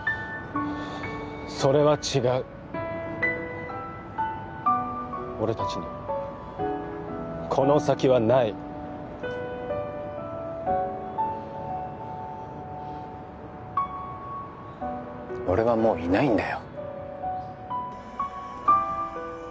それは違う俺たちにこの先はない俺はもういないんだよ